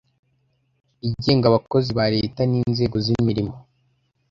igenga abakozi ba leta n inzego z imirimo